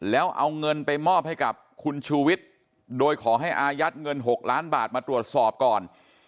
แล้วเอาเงินไปมอบให้กับคุณชูวิทย์โดยขอให้อายัดเงิน๖ล้านบาทมาตรวจสอบก่อน